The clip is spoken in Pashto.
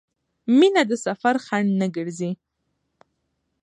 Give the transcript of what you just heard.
مینه د سفر خنډ نه ګرځي.